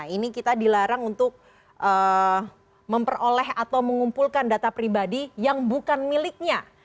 ini kita dilarang untuk memperoleh atau mengumpulkan data pribadi yang bukan miliknya